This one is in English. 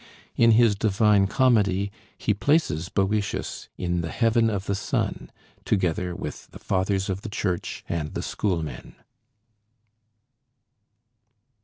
In his 'Divine Comedy' he places Boëtius in the Heaven of the Sun, together with the Fathers of the Church and the schoolmen.